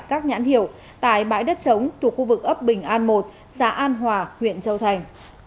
các nhãn hiệu tại bãi đất trống thuộc khu vực ấp bình an một xã an hòa huyện châu thành